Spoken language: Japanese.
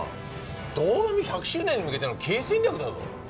堂上１００周年に向けての経営戦略だぞ？